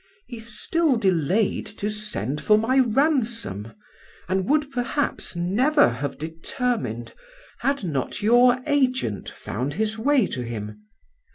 "He still delayed to send for my ransom, and would perhaps never have determined had not your agent found his way to him.